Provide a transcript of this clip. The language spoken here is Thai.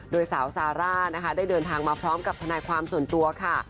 โดยสาวซาร่านะคะได้เดินทางมาพร้อมกับทนายความส่วนตัวค่ะ